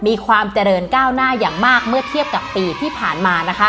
มีความเจริญก้าวหน้าอย่างมากเมื่อเทียบกับปีที่ผ่านมานะคะ